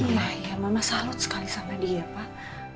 iya mama salut sekali sama dia pak